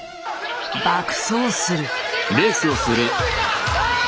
爆走する。